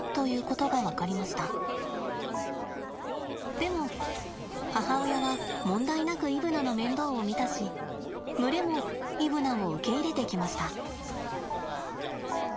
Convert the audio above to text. でも母親は問題なくイブナの面倒を見たし群れもイブナを受け入れてきました。